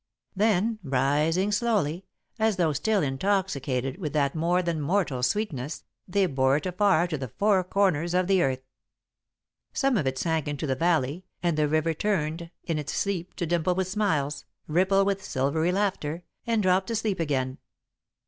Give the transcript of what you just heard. Then, rising slowly, as though still intoxicated with that more than mortal sweetness, they bore it afar to the four corners of the earth. Some of it sank into the valley, and the river turned in its sleep to dimple with smiles, ripple with silvery laughter, and drop to sleep again.